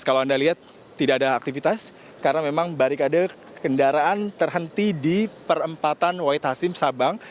kalau anda lihat tidak ada aktivitas karena memang barikade kendaraan terhenti di perempatan wait hasim sabang